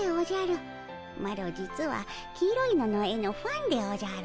マロ実は黄色いのの絵のファンでおじゃる。